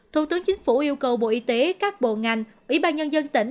thủ tướng chính phủ yêu cầu bộ y tế các bộ ngành ủy ban nhân dân tỉnh